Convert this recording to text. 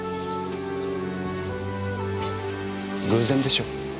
偶然でしょう。